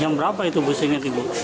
jam berapa itu busingnya ibu